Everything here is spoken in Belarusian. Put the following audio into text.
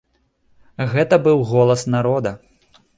Гэта быў голас народа.